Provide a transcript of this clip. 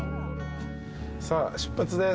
さあ出発です。